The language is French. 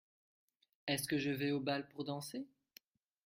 Est-ce que je vais au bal pour danser ?